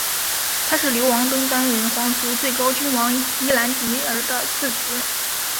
他是流亡登丹人皇族最高君王伊兰迪尔的次子。